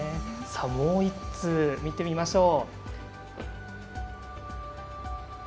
もう１通、見てみましょう。